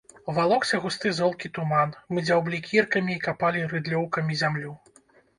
Валокся густы золкі туман, мы дзяўблі кіркамі і капалі рыдлёўкамі зямлю.